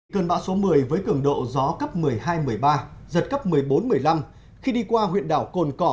cơn bão số một mươi với cường độ gió cấp một mươi hai một mươi ba giật cấp một mươi bốn một mươi năm khi đi qua huyện đảo cồn cỏ